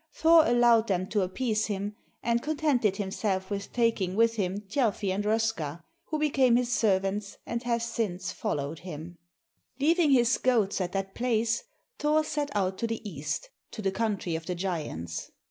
Thor allowed them to appease him, and contented himself with taking with him Thjalfi and Röska, who became his servants, and have since followed him. Leaving his goats at that place, Thor set out to the east, to the country of the giants.